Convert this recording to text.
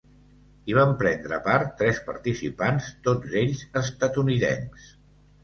Hi van prendre part tres participants, tots ells estatunidencs.